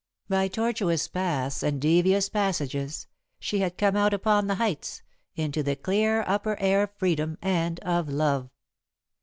By tortuous paths and devious passages, she had come out upon the heights, into the clear upper air of freedom and of love.